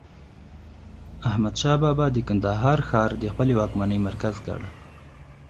احمد شاه بابا د کندهار ښار د خپلي واکمنۍ مرکز کړ.